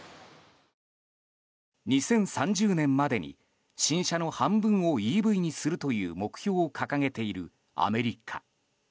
２０３０年までに新車の半分をＥＶにするという目標を掲げているアメリカ。